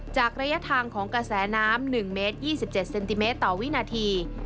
ระยะทางของกระแสน้ำ๑เมตร๒๗เซนติเมตรต่อวินาที